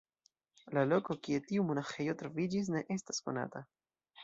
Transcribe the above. La loko, kie tiu monaĥejo troviĝis ne estas konata.